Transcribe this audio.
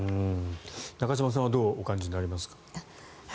中嶋さんはどうお感じになりますか。